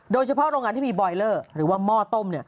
โรงงานที่มีบอยเลอร์หรือว่าหม้อต้ม